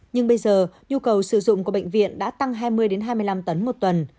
nhưng bây giờ nhu cầu sử dụng của bệnh viện đã tăng hai mươi hai mươi năm tấn một tuần